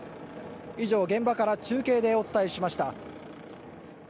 以上、現場から中継でお伝えしました。